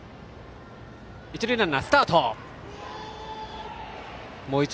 一塁ランナー、スタート。